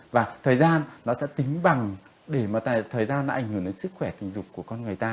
và thời gian nó sẽ tính bằng để mà thời gian nó ảnh hưởng đến sức khỏe tình dục của con người ta